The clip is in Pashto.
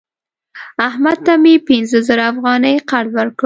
احمد ته مې پنځه زره افغانۍ قرض ورکړی